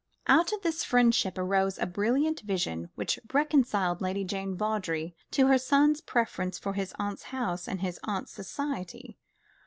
Out of this friendship arose a brilliant vision which reconciled Lady Jane Vawdrey to her son's preference for his aunt's house and his aunt's society.